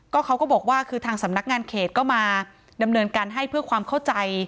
เขาก็บอกว่าคือทางสำนักงานเขตก็มาดำเนินการให้เพื่อความเข้าใจ